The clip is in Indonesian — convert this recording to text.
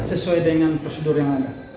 sesuai dengan prosedur yang ada